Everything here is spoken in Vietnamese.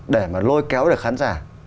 để mà lôi kéo được khán giả